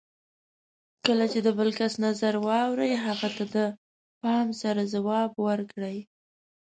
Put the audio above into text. کله چې د بل کس نظر واورئ، هغه ته د پام سره ځواب ورکړئ.